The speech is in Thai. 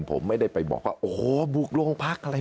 ผมไม่ได้ไปบอกว่าโอ้โหบุกโรงพักอะไร